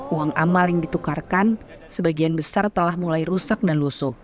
uang amal yang ditukarkan sebagian besar telah mulai rusak dan lusuh